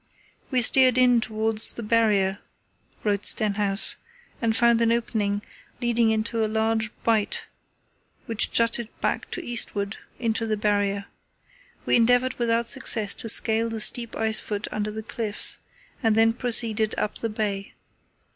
"We steered in towards the Barrier," wrote Stenhouse, "and found an opening leading into a large bight which jutted back to eastward into the Barrier. We endeavoured without success to scale the steep ice foot under the cliffs, and then proceeded up the bay.